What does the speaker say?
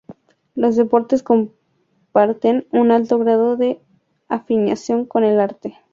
Los deportes comparten un alto grado de afinidad con el arte.